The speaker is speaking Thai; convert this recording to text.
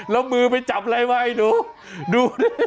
แล้วมือไปจับอะไรไหมดู